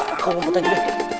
aku mau ke tadi deh